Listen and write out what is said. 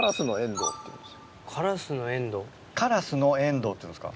カラスのエンドウっていうんですか？